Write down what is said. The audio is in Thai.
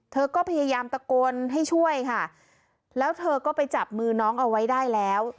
เธอก็พยายามตะโกนให้ช่วยค่ะแล้วเธอก็ไปจับมือน้องเอาไว้ได้แล้ว